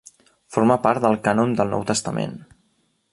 Forma part del cànon del Nou Testament.